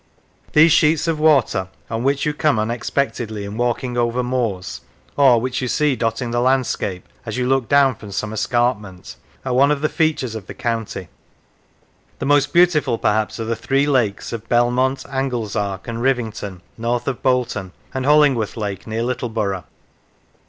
These sheets of water, on which you come unexpectedly in walking over moors, or which you see dotting the landscape as you look down from some escarpment, are one of the features of the county. The most beautiful, perhaps, are the three lakes of Belmont, Anglezark, and Rivington, north of Bolt on, and Hollingworth Lake, near Littleborough.